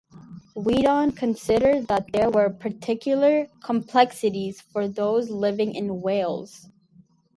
Weedon considered that there were particular complexities for those living in Wales.